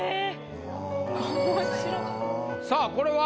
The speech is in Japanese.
さぁこれは？